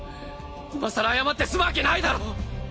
今更謝って済むわけないだろ！